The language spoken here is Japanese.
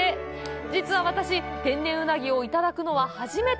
実は私、天然うなぎをいただくのは初めて！